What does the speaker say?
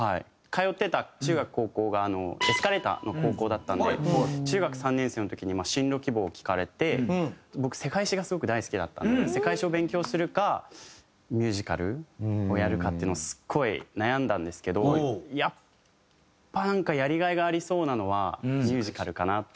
通ってた中学高校がエスカレーターの高校だったので中学３年生の時に進路希望を聞かれて僕世界史がすごく大好きだったので世界史を勉強するかミュージカルをやるかっていうのをすごい悩んだんですけどやっぱなんかやりがいがありそうなのはミュージカルかなって。